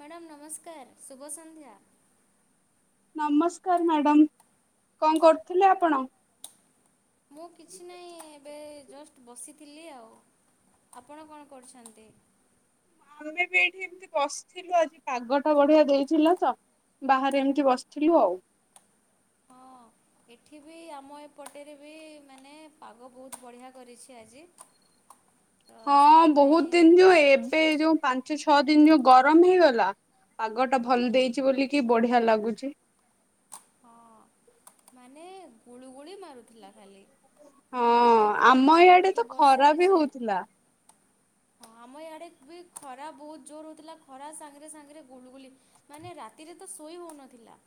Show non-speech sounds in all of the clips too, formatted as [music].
Madam ନମସ୍କାର ଶୁଭ ସନ୍ଧ୍ୟା। ନମସ୍କାର ମ୍ୟାଡ଼ାମ କଣ କରୁଥିଲେ ଆପଣ? ମୁଁ କିଛି ନାହିଁ ଏବେ ଜଷ୍ଟ ବସିଥିଲି ଆଉ। ଆପଣ କଣ କରୁଛନ୍ତି? ଆମେ ବି ଏବେ ଏଇଠି ଏମିତି ବସିଥିଲୁ ଆଜି ପାଗ ଟା ବଢିଆ ଦେଇଥିଲା ତ। ବାହାରେ ଏମିତି ବସିଥିଲୁ ଆଉ। ହଁ ଏଠି ବି ଆମ ଏପଟେରେ ବି ମାନେ ପାଗ ବହୁତ ବଢ଼ିଆ କରିଛି ଆଜି। ତ ହଁ ସେଥିପାଇଁ ବହୁତ ଦିନ ଯୋଉ ଏବେ ଏ ଯୋଉ ପା ସେଇ ଛଅ ଦିନ ଯୋଉ ଗରମ ହେଇଗଲା ପାଗ ଟା ଭଲ ଦେଇଛି ବୋଲିକି ବଢିଆ ଲାଗୁଛି। ହଁ ମାନେ ଗୁଳୁଗୁଳି ମାରୁଥିଲା ଖାଲି। ହଁ ତ ଏବେ ପୁରା ଆମ ଯେଉଁ ଇଆଡେ ଟିକେ ତ ବର୍ଷା ଖରା ବି ହେଇଛି ହଉଥିଲା। ହଁ ଆମ ଇଆଡେ ବି ଖରା ବହୁତ ଜୋର ହଉଥିଲା ଖରା ସାଙ୍ଗରେ ସାଙ୍ଗରେ ଗୁଲୁଗୁଲି ମାନେ ରାତିରେ ତ ଶୋଇ ହଉନଥିଲା।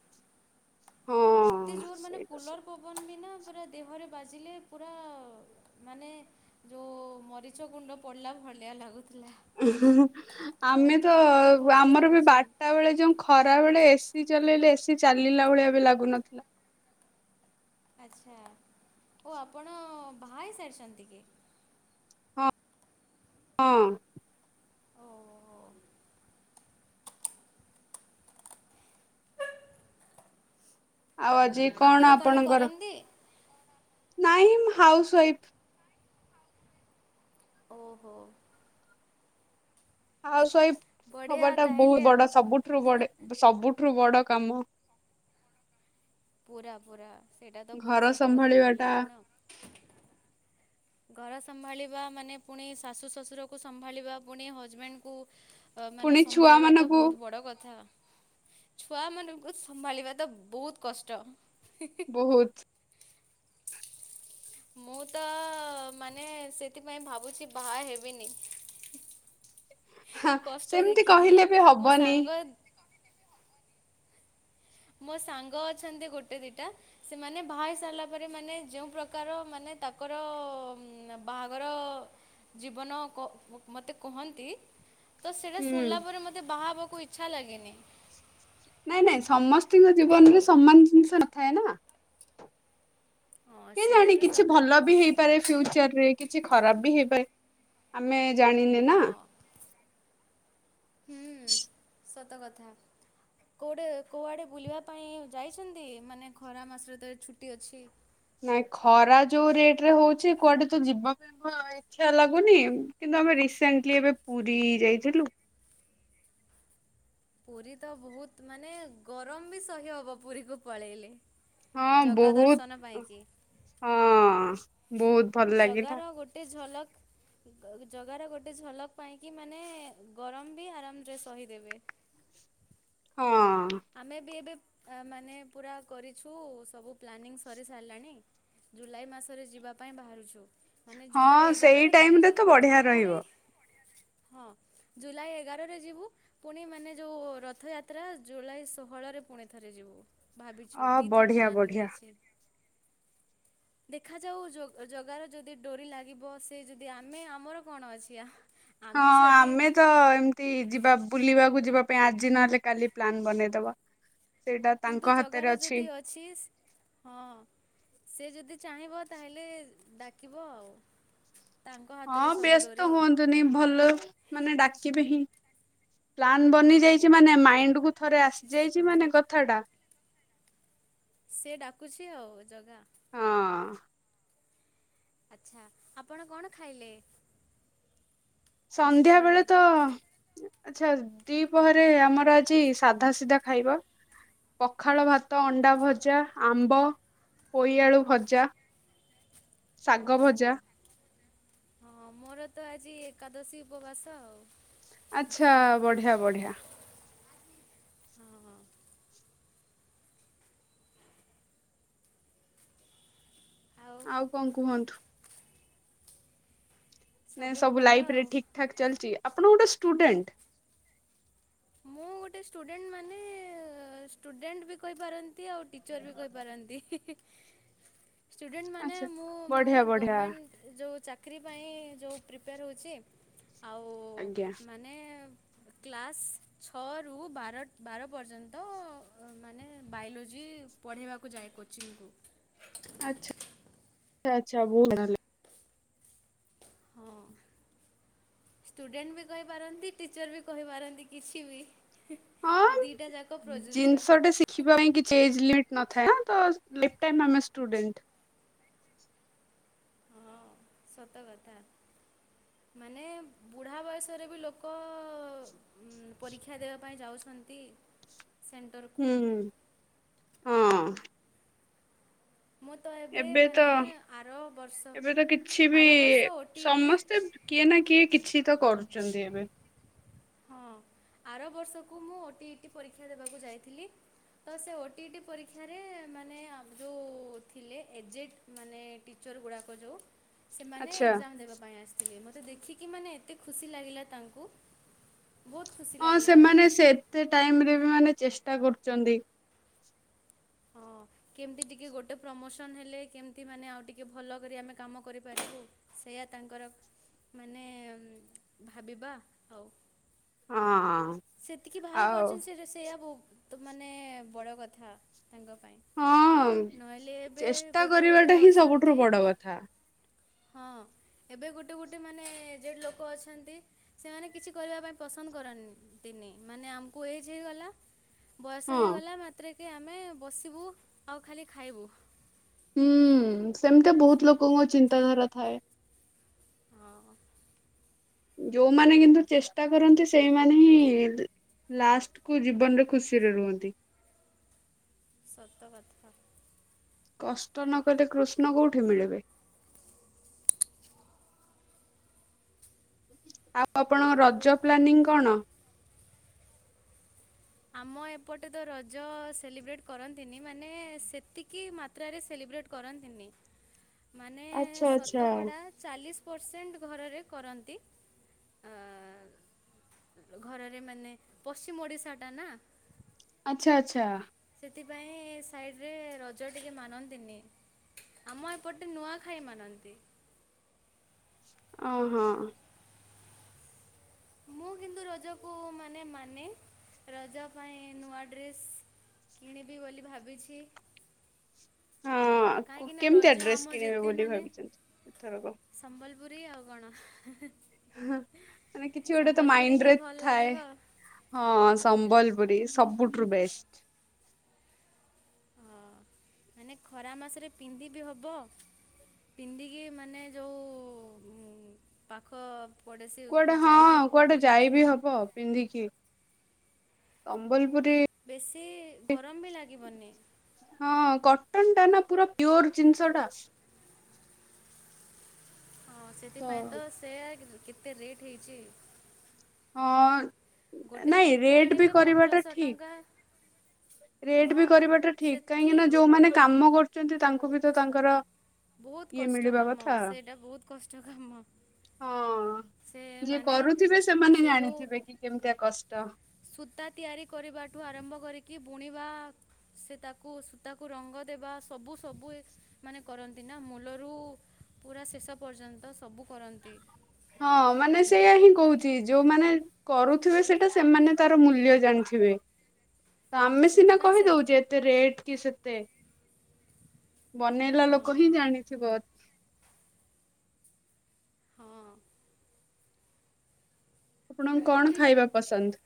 ହଁ ଏତେ ଜୋର ମାନେ ସେଇଟା। କୁଲର ପ ପବନ ବିନା ପୁରା ଦେହରେ ବାଜିଲେ ପୁରା ମାନେ ଯଉ ମରିଚ ଗୁଣ୍ଡ ପଡ଼ିଲା ଭଳିଆ ଲାଗୁଥିଲା। ହୁଁ ହୁଁ ହୁଁ ଆମେ ଏବେ ତ ଟିକେ ଭଲ ଆମର ବି ଲାଗୁଛି ବାରଟା ବେଳେ ଯୋଉଁ ଖରା ବେଳେ ଏ ସିି ଚଲେଇଲେ ଏ ସିି ଚାଲିଲା ଭଳିଆ ବି ଲାଗୁନଥିଲା। ଆଚ୍ଛା ଓ ଆପଣ ବାହା ହେଇସାରିଛନ୍ତି କି? ହଁ। ହଁ। ଓ [inaudible] ଆଉ ଆଜି ଆପଣ କଣ ଆପଣଙ୍କର କରନ୍ତି? ନାଇଁ ହାଉସୱାଇଫ୍। ଓହୋ। ହାଉସ ୱାଇଫ ବଢ଼ିଆ ହବାଟା ତାହେଲେ ବହୁତ ଆଉ ବଡ ସବୁଠୁ ବଡ ସବୁଠୁ ବଡ କାମ। ପୁରା ପୁରା ସେଇଟା ତ ପୁରା ଘର ସତ କଥା ସମ୍ଭାଳିବା ଟା କହିଲେ ଆପଣ। ଘର ସମ୍ଭାଳିବା ମାନେ ପୁଣି ଶାଶୁ ଶ୍ୱଶୁରକୁ ସମ୍ଭାଳିବା ପୁଣି ହଜବେଣ୍ଡକୁ ପୁଣି ମାନେ ଛୁଆ ସମ୍ଭାଳିବାଟା ମାନଙ୍କୁ ବହୁତ ବଡ଼ କଥା। ଛୁଆମାନଙ୍କୁ ସମ୍ଭାଳିବା ତ ବହୁତ କଷ୍ଟ। ବହୁତ୍। ମୁଁ ତ ମାନେ ସେଥିପାଇଁ ଭାବୁଛି ବାହା ହେବିନି। ହଁ କଷ୍ଟ ସେମିତି ଦେଖିକି କହିଲେ ବି ମୋ ହବନି। ସାଙ୍ଗ ମୋ ସାଙ୍ଗ ଅଛନ୍ତି ଗୋଟେ ଦିଟା ସେମାନେ ବାହାହେଇ ସାରିଲା ପରେ ମାନେ ଯେଉଁ ପ୍ରକାର ମାନେ ତାଙ୍କର ବାହାଘର ଜୀବନ ମତେ କୁହନ୍ତି ତ ସେଇଟା ହୁଁ। ଶୁଣିଲା ପରେ ମତେ ବାହା ହେବାକୁ ଇଚ୍ଛା ଲାଗେନି। ନାଇଁ ନାଇଁ ସମସ୍ତଙ୍କ ଜୀବନରେ ସମାନ ଜିନିଷ ନଥାଏ ନା। ହଁ କେ ସେଇଆ ଜାଣି ବି କିଛି ସତ। ଭଲ ବି ହେଇ ଫ୍ୟୁଚର ରେ କିଛି ଖରାପ ବି ହେଇପାରେ ଆମେ ଜାଣିନେ ନା। ହଁ ହୁଁ ସତ କଥା। କେଉଁଟେ କେଉଁଆଡ଼େ ବୁଲିବା ପାଇଁ ଯାଇଛନ୍ତି ମାନେ ଖରା ମାସରେ ତ ଛୁଟି ଅଛି। ନାଇଁ ଖରା ଯୋଉ ରେଟ ରେ ହଉଛି କୁଆଡେ ତ ଯିବା ପାଇଁ ଇଛା ଲାଗୁନି କିନ୍ତୁ ଆମେ ରିସେଣ୍ଟଲି ଏବେ ପୁରୀ ଯାଇଥିଲୁ। ପୁରୀ ତ ବହୁତ ମାନେ ଗରମ ବି ସହି ହବ ପୁରୀକୁ ପଳେଇଲେ। ହଁ ଜଗା ବହୁତ ଦର୍ଶନ ପାଇଁ କି। ହଁ ବହୁତ ଭଲ ଲାଗିଲା ଜଗାର ଗୋଟେ ଝଲକ ଜଗାର ଗୋଟେ ଝଲକ ପାଇଁକି ମାନେ ଗରମ ବି ଆରାମରେ ସହିଦେବେ। ହଁ। ଆମେ ବି ଏବେ ମାନେ ପୁରା କରିଛୁ ସବୁ ପ୍ଲାନିଂ ସରି ସାରିଲାଣି ଜୁଲାଇ ମାସରେ ଯିବା ପାଇଁ ବାହାରୁଛୁ। ମାନେ ଜୁଲାଇ ହଁ ସେଇ ଏଗାରରେ ଥରେ ଟାଇମରେ ଯିବୁ ତ ବଢିଆ ପୁଣି ରହିବ। ହଁ ଜୁଲାଇ ଏଗାରରେ ଯିବୁ ପୁଣି ମାନେ ଯେଉଁ ରଥଯାତ୍ରା ଜୁଲାଇ ଷୋହଳରେ ପୁଣିଥରେ ଯିବୁ। ଭାବିଛୁ ଅ ଦି ଥର ବଢିଆ ପ୍ଲାନିଂ ବଢିଆ ହେଇଛି। [unintelligible] ଦେଖାଯାଉ ଜଗାର ଯଦି ଡୋରି ଲାଗିବ ସେ ଯଦି ଆମେ ଆମର କଣ ଅଛି ଆ ହଁ ଆମେ ତ ଏମ୍ ଯି-ଯିବା ବୁଲିବାକୁ ଯିବା ପାଇଁ ଆଜି ନହେଲେ କାଲି ପ୍ଲାନ୍ ବନେଇଦବା। ସେଇଟା ତାଙ୍କ ହାତରେ ଅଛି। ସିସ୍- ହଁ। ସେ ଯଦି ଚାହିଁବ ତାହେଲେ ଡାକିବ ଆଉ। ତାଙ୍କ ହଁ ହାତରେ ସବୁ ବେସ୍ତ ଡୋରି ହୁଅନ୍ତୁନି ଭଲ ମାନେ ଡାକେ କିବେ ହିଁ ପ୍ଲାନ୍ ହଁ ବନିଯାଇଚି ମାନେ ମାଇଣ୍ଡ୍ କୁ ଥରେ ଆସିଯାଇଚି ମାନେ କଥା ଟା ସେ ଡାକୁଚି ଆଉ ଜଗା। ହଁ। ଆଚ୍ଛା ଆପଣ କଣ ଖାଇଲେ? ସନ୍ଧ୍ୟା ବେଳେ ଦିପହରେ। ତ ଆଛା ଦିପହରେ ଆମର ର ଆଜି ସାଧା ସିଧା ଖାଇବା। ପଖାଳ ଭାତ, ଅଣ୍ଡା ଭଜା, ଆମ୍ବ, ପୋଇଆଳୁ ଭଜା ଶାଗ ଭଜା। ଓହୋ। ହଁ ମୋର ତ ଆଜି ଏକାଦଶୀ ଉପବାସ ଆଉ। ଆଚ୍ଛା ବଢ଼ିଆ ବଢିଆ। ହଁ ହଁ ଆଉ। ଆଉ କଣ୍ କୁହନ୍ତୁ? ନେଁ ସବୁ ଭଲ ଲାଇଫ୍ ରେ ଆଉ। ଠିକ୍ ଠାକ୍ ଚାଲିଚି- ଆପଣ ଗୋଟେ ଷ୍ଟୁଡେଣ୍ଟ? ମୁଁ ଗୋଟେ ଷ୍ଟୁଡେଣ୍ଟ ମାନେ ଷ୍ଟୁଡେଣ୍ଟ ବି କହିପାରନ୍ତି ଏମିତି ଆଉ ଟିଚର୍ ବି କହିପାରନ୍ତି। ଷ୍ଟୁଡେଣ୍ଟ ମାନେ ଆଛା ମୁଁ ମାନେ ବଢିଆ ବଢିଆ ଗମେଣ୍ଟ୍ ଯଉ ଚାକିରି ପାଇଁ ଯଉ ପ୍ରିପେୟାର ହଉଚି ଆଉ ଆଜ୍ଞା ମାନେ ମାନେ କ୍ଲାସ୍ ଛଅରୁ ବାର -ବାର ପର୍ଯ୍ୟନ୍ତ ମାନେ ବାୟୋଲୋଜି ପଢେଇବାକୁ ଯାଏ କୋଚିଙ୍ଗ୍ କୁ। ଆଛା- ଆଛା ବୁ [unintelligible] ତାହେଲେ। [inaudible] ଷ୍ଟୁଡେଣ୍ଟ୍ ବି କହିପାରନ୍ତି ଟିଚର୍ ବି କହିପାରନ୍ତି କିଛି ବି। ହିଁ ହଁ -ଦିଟା ଯାକ ପ୍ରଯୁଜ୍ୟ। ଜିନିଷଟେ ଶିଖିବା ପାଇଁ କିଛି ଏଜ୍ ଲିମିଟ୍ ନଥାଏ ତ ଲିପ୍ ଟାଇମ୍ ଆମେ ଷ୍ଟୁଡେଣ୍ଟ୍। ହଁ ସତ କଥା। ମାନେ ବୁଢ଼ା ବୟସରେ ବି ଲୋକ ପରୀକ୍ଷା ଦେବା ପାଇଁ ଯାଉଛନ୍ତି ସେନ୍ ହୁଁ। ହଁ ମୁଁ ତ ଏବେ ତ ମାନେ ଆର ବର୍ଷ -ଏବେ ତ କିଛି ବି ଆର ବର୍ଷ ଓ ଟି ଇ ଟି ସମସ୍ତେ କିଏ ନା କିଏ କିଛି ତ କରୁଚନ୍ତି ଏବେ। ହଁ ଆର ବର୍ଷକୁ ମୁଁ ଓ ଟି ଇ ଟି ପରୀକ୍ଷା ଦେବାକୁ ଯାଇଥିଲି। ତ ସେ ଓ ଟିଇ ଟି ପରୀକ୍ଷାରେ ମାନେ ଯଉ ଥିଲେ ଏଜେଟ୍ ମାନେ ଟିଚର୍ ଗୁଡ଼ାକ ଯଉ ସେମାନେ ଆଚ୍ଛା ଏକ୍ଜାମ୍ ଦେବା ପାଇଁ ଆସିଥିଲେ ମୋତେ ଦେଖିକି ମାନେ ଏତେ ଖୁସି ଲାଗିଲା ତାଙ୍କୁ ବହୁତ ଖୁସି ହଁ ଲାଗିଲା ସେମାନେ ସେ ଏତେ ଟାଇମ୍ ରେ ବି ମାନେ ଚେଷ୍ଟା କରୁଚନ୍ତି। [inaudible] କେମତି ଟିକେ ଗୋଟେ ପ୍ରମୋସନ୍ ହେଲେ କେମତି ମାନେ ଆଉ ଟିକେ ଭଲ କରି ଆମେ କାମ କରିପାରିବୁ। ସେଇଆ ତାଙ୍କର ମାନେ -ଭାବିବା ଆଉ। ଅଁ-ହଁ। ସେତିକି ଭାବି ପାରୁଚନ୍ତି ସେ ସେଇଆ ବହୁତ୍ ମାନେ ବଡ କଥା ତାଙ୍କ ପାଇଁ। ହଁ ନହେଲେ ଏବେ ଚେଷ୍ଟା ଗୋଟେ କରିବାଟା ଗୋଟେ ହିଁ ସବୁଠାରୁ ଅଛନ୍ତି ବଡ କଥା ହଁ। ଏବେ ଗୋଟେ ଗୋଟେ ମାନେ ଏଜେଡ୍ ଲୋକ ଅଛନ୍ତି ସେମାନେ କିଛି କରିବା ପାଇଁ ପସନ୍ଦ କରନ୍ତିନି। ତିନି ମାନେ ଆମକୁ ଏଜ୍ ହେଇଗଲା, ବୟସ ହଁ। ହେଇଗଲା ମା ତ୍ରେକେ ଆମେ ବସିବୁ ଆଉ ଖାଲି ଖାଇବୁ। ହୁଁ, ସେମିତି ବହୁତ ଲୋକଙ୍କ ଚିନ୍ତାଧାରା ଥାଏ। ହଁ। ଯୋଉମାନେ କିନ୍ତୁ ଚେଷ୍ଟା କରନ୍ତି ସେଇମାନେ ହିଁ ଲାଷ୍ଟ କୁ ଜୀବନରେ ଖୁସିରେ ରୁହନ୍ତି। ସତ କଥା। କଷ୍ଟ ନକଲେ କୃଷ୍ଣ କୋଉଠି ମିଳିବେ। ଆଉ ଆପଣଙ୍କ ରଜ ପ୍ଲାନିଂ କଣ? ଆମ ଏପଟେ ତ ରଜ ସେଲିବ୍ରେଟ୍ କରନ୍ତିନି। ମାନେ ସେତିକି ମା ତ୍ରାରେ ସେଲିବ୍ରେଟ୍ କରନ୍ତିନି। [inaudible] ମାନେ ଆଚ୍ଛା ଆଚ୍ଛା ଶତକଡ଼ା ଚାଲିଶ ପରସେଣ୍ଟ ଘରରେ କରନ୍ତି। ଆ, ଘରରେ ମାନେ, ପଶ୍ଚିମ ଓଡିଶା ଟା ନା। ଆଚ୍ଛା, ଆଚ୍ଛା। ସେଥିପାଇଁ ସାଇଡ ରେ ରଜ ଟିକେ ମାନନ୍ତିନି। ଆମ ଏପଟେ ନୂଆଖାଇ ମାନନ୍ତି। ଅଁ, ହଁ। ମୁଁ କିନ୍ତୁ ରଜକୁ ମାନେ ମାନେ, ରଜ ପାଇଁ ନୂଆ ଡ୍ରେସ୍ କିଣିବି ବୋଲି ଭାବିଛି। ହଁ କାହିଁକିନା କେମିତିଆ ରଜ ଡ୍ରେସ୍ ଆମ କିଣିବେ ଯେତେ ବୋଲି ମାନେ ଭାବିଛନ୍ତି ଏଥରକ? ସମ୍ବଲପୁରୀ ଆଉ କଣ। ହଁ, କିଛି ଗୋଟେ ତ ସମ୍ବଲପୁରୀ ହିଁ ମାଇଣ୍ଡରେ ଭଲ ଥାଏ। ଲାଗିବ ହଁ ସମ୍ବଲପୁରୀ ସବୁଠୁର ବେଷ୍ଟ। ହଁ, ମାନେ ଖରା ମାସରେ ପିନ୍ଧିବିି ହବ। ପିନ୍ଧିକି ମାନେ ଯୋଉ ଉଁ, ପାଖ ପଡ଼ୋଶୀକୁ କୁଆଡେ, ଯାଇ ବି ହଁ ହବ କୁଆଡେ ପିନ୍ଧିକି ଯାଇବି ହବ ପିନ୍ଧିକି। ସମ୍ବଲପୁରୀ ବେଶୀ, ଗରମ ବି ଲାଗିବନି। ହଁ, କଟନ୍ ଟା ନା ପୁରା ପିଓର୍ ଜିନିଷ ଟା। ହଁ, ସେଥିପାଇଁ ତ ସେୟା, କିନ୍ତୁ କେତେ ରେଟ୍ ହେଇଛି। ହଁ ଗୋଟେ ନାଇଁ କୁର୍ତ୍ତୀ ରେଟ୍ ବି ଆଣିବେ କରିବାଟା ପନ୍ଦରଶହ ଠିକ ଟଙ୍କା। ରେଟ୍ ହଁ ବି କରିବାଟା ଠିକ, ସେତିକି କାହିଁକିନା ଯୋଉମାନେ କାମ କରୁଚନ୍ତି ତାଙ୍କୁ ବି ତ ତାଙ୍କର ବହୁତ ଇଏ କଷ୍ଟ ମିଳିବା କାମ, କଥା ସେଇଟା ବହୁତ କଷ୍ଟ କାମ। ହଁ, ସେ ଯିଏ ମାନେ କରୁଥିବେ ସେମାନେ ସେ ଯେଉଁ ଜାଣିଥିବେ କି କେମିତିଆ କଷ୍ଟ। ସୂତା ତିଆରି କରିବାଠୁ ଆରମ୍ଭ କରିକି ବୁଣିବା ସେ ତାକୁ ସୂତାକୁ ରଙ୍ଗ ଦେବା। ସବୁ ସବୁ ଏ ମାନେ କରନ୍ତି ନା, ମୂଲରୁ ପୁରା ଶେଷ ପର୍ଯ୍ୟନ୍ତ ସବୁ କରନ୍ତି। ହଁ ମାନେ ସେଇଆା ହିଁ କହୁଛି, ଯୋଉମାନେ କରୁଥିବେ ସେଟା ସେମାନେ ତାର ମୂଲ୍ୟ ଜାଣୁଥିବେ। ତ ହୁଁ, ଆମେ ସିନା ସେଥିପାଇଁ ସେ କହିଦଉଚେ। କେତେ ରେଟ୍ କି ସେତେ? ବନେଇଲା ହଁ ଲୋକ ହିଁ ଜାଣିଥିବ। ହଁ। ଆପଣଙ୍କୁ କଣ ଖାଇବା ପସନ୍ଦ?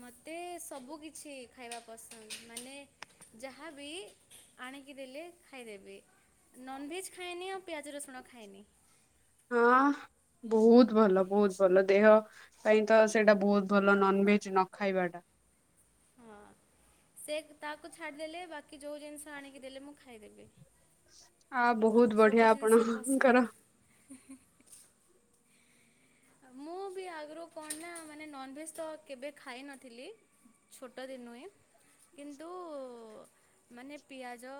ମୋତେ ସବୁ କିିଛି ଖାଇବା ପସନ୍ଦ। ମାନେ ଯାହାବି ଆଣିକି ଦେଲେ ଖାଇଦେବି। ନନଭେଜ୍ ଖାଏନି, ଆଉ ପିଆଜ ରସୁଣ ଖାଏନି। ହଁ, ବହୁତ ଭଲ, ବହୁତ ଭଲ। ଦେହ ପାଇଁ ତ ସେଇଟା ବହୁତ ଭଲ, ନନଭେଜ୍ ନ ଖାଇବା ଟା। ହଁ, ସେ ତାକୁ ଛାଡ଼ିଦେଲେ, ବାକି ଯୋଉ ଜିନିଷ ଆଣିକି ଦେଲେ ମୁଁ ଖାଇଦେବି। ଆ, ବହୁଦୁ ସବୁ ଜିନିଷ ପସନ୍ଦ ହି ହି ମୁଁ ବି ଆଗରୁ କଣନା ମାନେ ନନଭେଜ ତ କେବେ ଖାଇ ନଥିଲି। ଛୋଟ ଦିନୁ ହିଁ କିନ୍ତୁ ମାନେ ପିଆଜ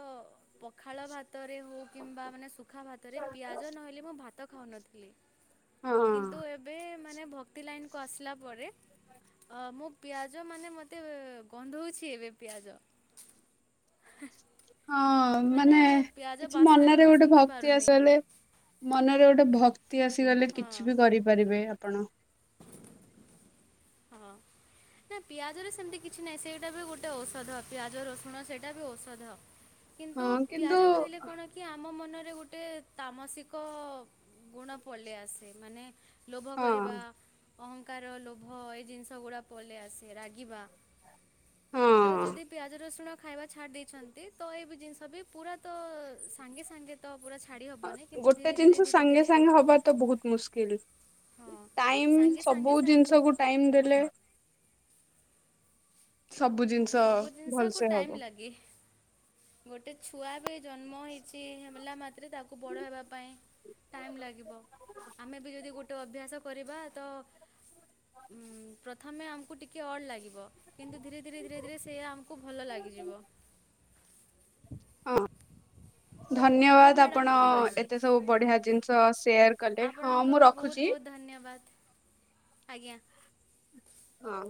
ପଖାଳ ଭାତରେ ହଉ କିମ୍ବା ମାନେ ଶୁ ଖା ଭାତରେ ପିଆଜ ନହେଲେ ମୁଁ ଭାତ ଖାଉନଥିଲି। ହଁ କିନ୍ତୁ ଏବେ ମାନେ ଭକ୍ତି ଲାଇନକୁ ଆସିଲା ପରେ ହଁ ମୁଁ ପିଆଜ ମାନେ ମତେ ଗନ୍ଧଉଛି ଏବେ ପିଆଜ। ହଁ ମାନେ ପିଆଜ କିଛି ବାସ୍ନା ବି ମନରେ ମୁଁ ଗୋଟେ ଶୁଙ୍ଘି ଭକ୍ତି ପାରୁନି ଆସିଗଲେ ମନରେ ଗୋଟେ ଭକ୍ତି ଆସିଗଲେ ହଁ। କିଛିବି କରିପାରିବେ ଆପଣ। ହଁ। ନା ପିଆଜରେ ସେମିତି କିଛି ନାହିଁ, ସେଇଟା ବି ଗୋଟେ ଔଷଧ, ପିଆଜ ରସୁଣ ସେଇଟା ବି ଔଷଧ। ହ [inaudible] କିନ୍ତୁ, ପିଆଜ ଖାଇଲେ କଣ କି ଆମ ମନରେ ଗୋଟେ ତାମାସିକ ଗୁଣ ପଳେଇ ଆସେ ମାନେ ଲୋଭ କରିବା ହଁ ଅହଂକାର ଲୋ ଭ ଏଇ ଜିନିଷ ଗୁଡା ପଳେଇ ଆସେ ରାଗିବା ତ ହଁ ଯଦି ପିଆଜ ରସୁଣ ଖାଇବା ଛାଡ଼ି ଦେଇଛନ୍ତି ତ ଏ ବି ଜିନିଷ ବି ପୁରା ତ ସାଙ୍ଗେ ସାଙ୍ଗେ ତ ପୁରା ଛାଡ଼ି ହଁ ହେବନି କିନ୍ତୁ ଗୋଟେ ଧୀରେ ଧୀରେ ଜିନିଷ ଧୀରେ ସାଙ୍ଗେ ଧୀରେ ସାଙ୍ଗେ ହବା ତ ବହୁତ ମୁସ୍କିଲ୍। ହଁ ଟାଇମ୍ ସାଙ୍ଗେ ସବୁ ସାଙ୍ଗେ ସା ଜିନିଷକୁ ଟାଇମ୍ ଦେଲେ ସବୁ ଜିନିଷ ଭଲସେ ହବ। କିଏ? ଗୋଟେ ଛୁଆ ବି ଜନ୍ମ ହେଇଛି ହେଲା ମାତ୍ରେ ତାକୁ ବଡ଼ ହେବା ପାଇଁ ଟାଇମ୍ ଲାଗିବ ଆମେ ବି ଯଦି ଗୋଟେ ଅଭ୍ୟାସ କରିବା ତ ଉଁମ ପ୍ରଥମେ ଆମକୁ ଟିକେ ଅଡ ଲାଗିବ କିନ୍ତୁ ଧୀରେ ଧୀରେ ଧୀରେ ଧୀରେ ସେଇଆ ଆମକୁ ଭଲ ଲାଗିଯିବ। ହଁ। ହଉ ଧନ୍ୟବାଦ ମ୍ୟାଡ଼ାମ୍ ଆପଣ ଠିକ୍ ଅଛି ଏତେ ସବୁ ବଢିଆ ଜିନିଷ ସେୟାର କଲେ ହଁ ମୁଁ ର ବହୁତ୍ ବହୁତ୍ ଧନ୍ୟବାଦ୍। ଆଜ୍ଞା। ହଁ।